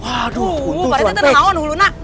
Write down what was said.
aduh parete tenang awan hulu nak